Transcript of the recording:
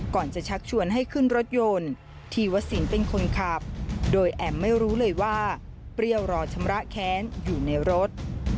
ก่อนจะชักชวนให้ขึ้นรถยนต์ที่วัดสินเป็นคนขับโดยแอมไม่รู้เลยว่าเปรี้ยวรอชำระแค้นอยู่ในรถ